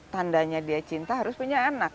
tandanya dia cinta harus punya anak